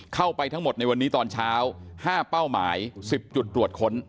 เข้าไปทั้งหมดในวันนี้ตอนเช้า๕เป้าหมาย๑๐จุดตรวจค้น